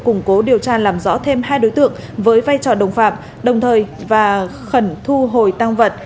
củng cố điều tra làm rõ thêm hai đối tượng với vai trò đồng phạm đồng thời và khẩn thu hồi tăng vật